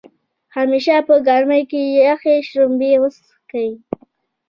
همیشه په ګرمۍ کې يخې شړومبۍ وڅښئ